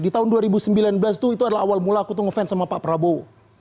di tahun dua ribu sembilan belas tuh itu adalah awal mula aku tuh ngefans sama pak prabowo